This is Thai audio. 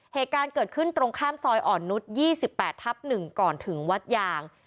เหตุการณ์เกิดขึ้นตรงข้ามซอยอ่อนนุษยี่สิบแปดทับหนึ่งก่อนถึงวัดยาง